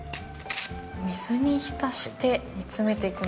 水に浸して煮詰めていくんですね。